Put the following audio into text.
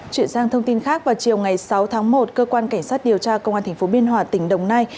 chuyển sang thông tin khác vào chiều ngày sáu tháng một cơ quan cảnh sát điều tra công an tp biên hòa tỉnh đồng nai